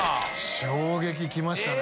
衝撃きましたね。